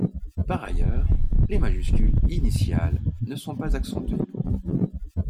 Par ailleurs, les majuscules initiales ne sont pas accentuées.